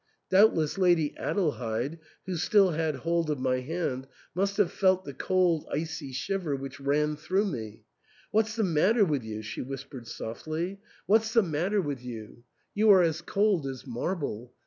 Doubtless Lady Adelheid, who still had hold of my hand, must have felt the cold icy shiver which ran through me. "What's the matter with you?" she whispered softly ;'* what's the matter with you ? 254 THE ENTAIL, You are as cold as marble.